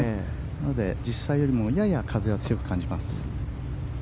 なので、実際よりもやや風は強く感じます。